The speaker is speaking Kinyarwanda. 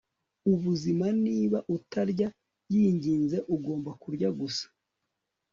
ubuzima niba utarya, yinginze. ugomba kurya gusa